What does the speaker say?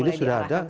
ini sudah ada